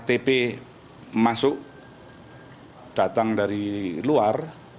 di mana ada barang masuk dari luar